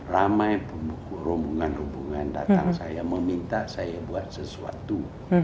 ramai rombongan rombongan datang saya meminta saya buat sesuatu